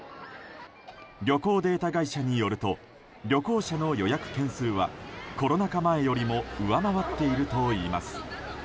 旅行データ会社によると旅行者の予約件数はコロナ禍前よりも上回っているといいます。